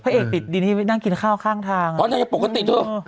พระเอกติดดินที่นั่งกินข้าวข้างทางอ่ะอ๋อเนี่ยปกติเถอะอืม